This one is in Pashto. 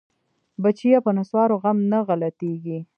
بچيه په نسوارو غم نه غلطيګي.